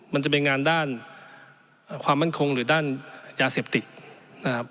มันจะเป็นงานด้านความมั่นคงหรือด้านยาเสพติดนะครับ